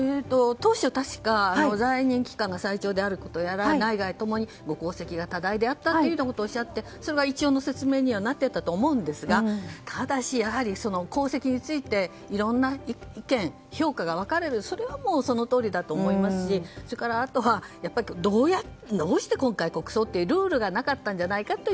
当初は確か在任期間が最長であることや国内外ともに功績が多大であったということがあってそれは一応の説明になっていたと思うんですがただし功績についていろんな意見、評価が分かれるそれはそのとおりだと思いますしどうして今回国葬って、ルールがなかったんじゃないかって。